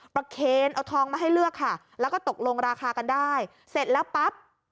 เคนเอาทองมาให้เลือกค่ะแล้วก็ตกลงราคากันได้เสร็จแล้วปั๊บ